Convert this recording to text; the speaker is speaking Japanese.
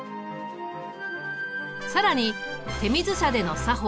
更に手水舎での作法